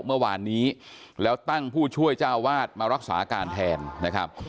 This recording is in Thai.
เมื่อวานนี้แล้วตั้งผู้ช่วยเจ้าวาดมารักษาการแทนนะครับ